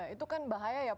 itu kan bahaya ya pak